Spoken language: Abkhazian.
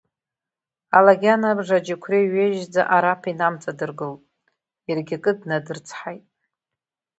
Алагьан абжа аџьықәреи ҩежьӡа Араԥ инамҵадыргылт, иаргьы акы днадырцҳаит.